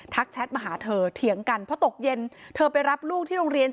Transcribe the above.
แชทมาหาเธอเถียงกันเพราะตกเย็นเธอไปรับลูกที่โรงเรียน